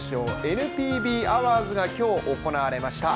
ＮＰＢアワーズが今日行われました